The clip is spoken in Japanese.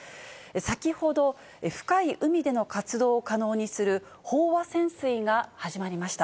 先ほど、深い海での活動を可能にする、飽和潜水が始まりました。